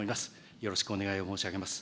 よろしくお願いを申し上げます。